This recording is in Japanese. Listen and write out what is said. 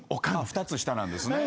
２つ下なんですね。